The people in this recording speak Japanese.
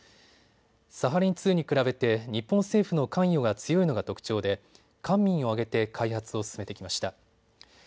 サハリン２に比べて日本政府の関与が強いのが特徴で官民を挙げて開発を進めてきました。